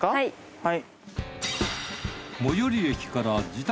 はい。